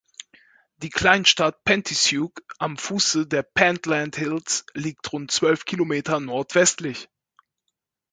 Die Kleinstadt Penicuik am Fuße der Pentland Hills liegt rund zwölf Kilometer nordwestlich.